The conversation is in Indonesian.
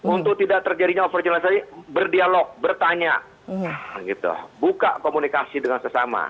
untuk tidak terjadinya overgenisasi berdialog bertanya gitu buka komunikasi dengan sesama